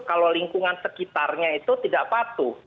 kalau lingkungan sekitarnya itu tidak patuh